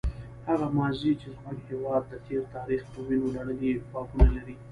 هغه ماضي چې زموږ هېواد د تېر تاریخ په وینو لړلي بابونه لري.